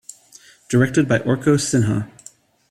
Directed by Orko Sinha.